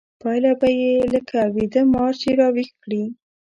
پايله به يې لکه ويده مار چې راويښ کړې.